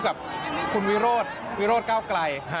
กับคุณวิโรธวิโรธก้าวไกล